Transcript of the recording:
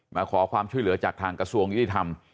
มาขอความช่วยเหลือจากทางกระทรวงยุติธรรม